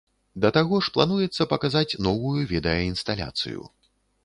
Да таго ж плануецца паказаць новую відэаінсталяцыю.